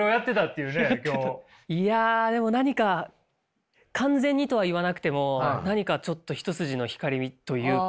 いやでも何か完全にとは言わなくても何かちょっと一筋の光というか。